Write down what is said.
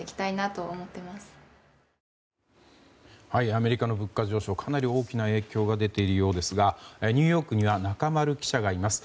アメリカの物価上昇かなり大きな影響が出ているようですがニューヨークには中丸記者がいます。